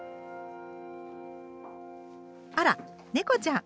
あら猫ちゃん。